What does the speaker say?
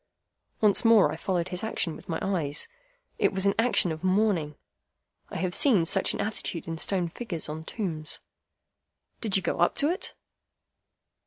Once more I followed his action with my eyes. It was an action of mourning. I have seen such an attitude in stone figures on tombs. "Did you go up to it?"